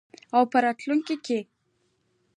او په راتلونکي کې.